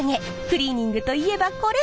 クリーニングといえばこれ！